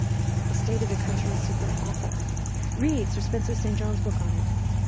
The state of the country is simply awful read Sir Spenser St. John's book on it.